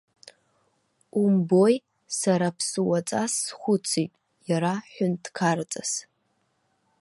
Умбои, сара ԥсуаҵас схәыцит, иара ҳәынҭқарҵас.